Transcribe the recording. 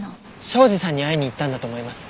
庄司さんに会いに行ったんだと思います。